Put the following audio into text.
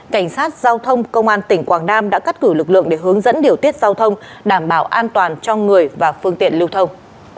cảnh sát giao thông công an tỉnh quảng nam đã cắt cử lực lượng để hướng dẫn điều tiết giao thông đảm bảo an toàn cho người và phương tiện lưu thông